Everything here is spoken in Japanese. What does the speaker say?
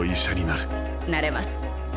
なれます。